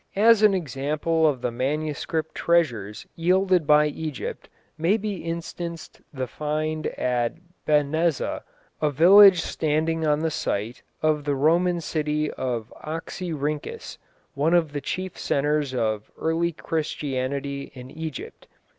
As an example of the manuscript treasures yielded by Egypt may be instanced the find at Behnesa, a village standing on the site of the Roman city of Oxyrhynchus, one of the chief centres of early Christianity in Egypt.